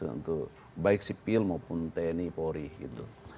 untuk baik sipil maupun tni polri gitu